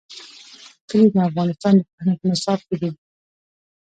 کلي د افغانستان د پوهنې په نصاب کې دي.